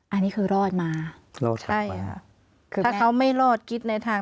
อันนี้คือรอดมา